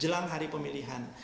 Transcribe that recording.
jelang hari pemilihan